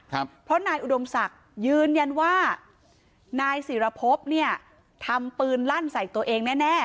เพราะนายอุดมศักดิ์ยืนยันว่านายศิรพบเนี่ยทำปืนลั่นใส่ตัวเองแน่แน่